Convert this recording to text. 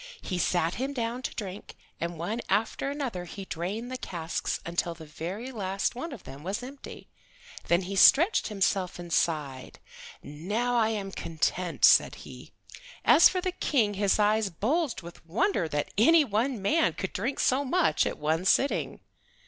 He sat him down to drink, and one after another he drained the casks until the very last one of them was empty. Then he stretched himself and sighed. "Now I am content," said he. As for the King his eyes bulged with wonder that any one man could drink so much at one sitting.